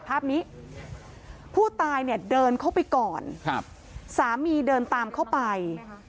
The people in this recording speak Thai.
ภาพนี้ผู้ตายเนี่ยเดินเข้าไปก่อนครับสามีเดินตามเข้าไป